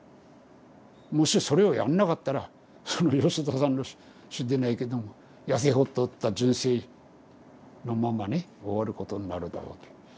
もしそれをやんなかったらその吉田さんの詩でないけどもやせ細った人生のままね終わることになるだろうと。